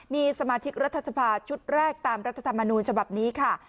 มีสมาชิกรัฐสภาชุดแรกตามรัฐธรรมนูญฉบับนี้ค่ะ